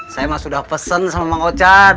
saya mah sudah pesen sama bang ochan